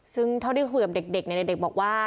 ซึ่งเท่าที่คุยกับเด็กเด็กบอกว่า